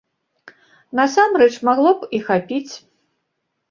Насамрэч, магло б і хапіць.